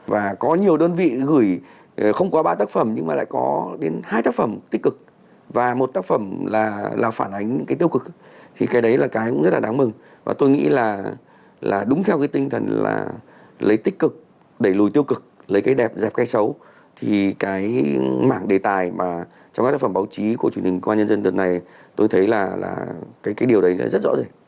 và có nhiều đơn vị gửi không có ba tác phẩm nhưng mà lại có đến hai tác phẩm tích cực và một tác phẩm là phản ánh cái tiêu cực thì cái đấy là cái cũng rất là đáng mừng và tôi nghĩ là đúng theo cái tinh thần là lấy tích cực để lùi tiêu cực lấy cái đẹp dẹp cái xấu thì cái mảng đề tài mà trong các tác phẩm báo chí của truyền hình quan nhân dân lần này tôi thấy là cái điều đấy rất rõ ràng